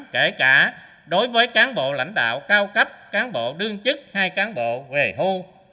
kể cả đối với cán bộ lãnh đạo cao cấp cán bộ đương chức hay cán bộ về thu